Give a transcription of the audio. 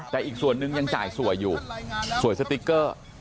แต่อีกส่วนนึงยังจ่ายสวยอยู่สวยสติ๊กเกอร์